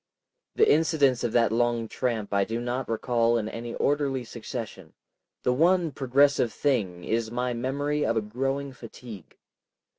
The incidents of that long tramp I do not recall in any orderly succession, the one progressive thing is my memory of a growing fatigue.